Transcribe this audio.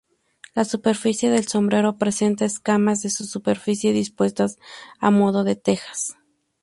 La superficie del sombrero presenta escamas en su superficie, dispuestas a modo de tejas.